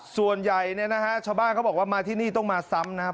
ส่วนใหญ่เนี่ยนะฮะชาวบ้านเขาบอกว่ามาที่นี่ต้องมาซ้ำนะครับ